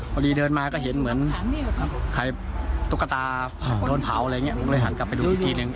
ใครตุ๊กตาโดนเผาอะไรอย่างเงี้ยก็เลยหันกลับไปดูอีกทีหนึ่ง